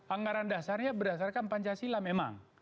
anggaran dasarnya berdasarkan pancasila memang